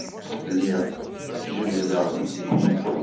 Lliɣ jebbdeɣ-d idrimen.